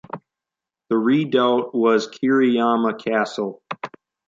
This redoubt was Kiriyama Castle.